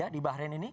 di bahrain ini